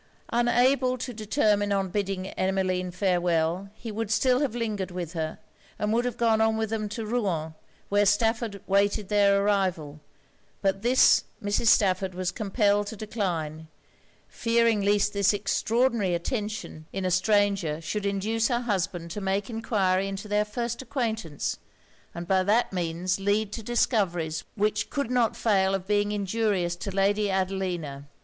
Unable to determine on bidding Emmeline farewel, he would still have lingered with her, and would have gone on with them to Rouen, where Stafford waited their arrival: but this, Mrs. Stafford was compelled to decline; fearing least this extraordinary attention in a stranger should induce her husband to make enquiry into their first acquaintance, and by that means lead to discoveries which could not fail of being injurious to Lady Adelina.